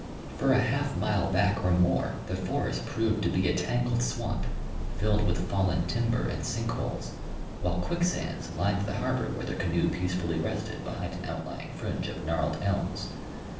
For a half mile back or more the forest proved to be a tangled swamp, filled with fallen timber and sink holes, while quicksands lined the harbor where the canoe peacefully rested behind an outlying fringe of gnarled elms.